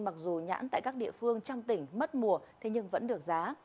mặc dù nhãn tại các địa phương trong tỉnh mất mùa thế nhưng vẫn được giá